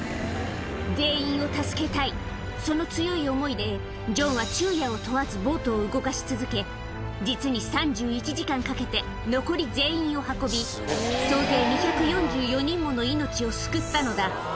全員を助けたい、その強い思いで、ジョンは昼夜を問わずボートを動かし続け、実に３１時間かけて残り全員を運び、総勢２４４人もの命を救ったのだ。